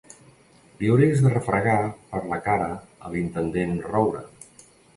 Li hauries de refregar per la cara a l'intendent Roure.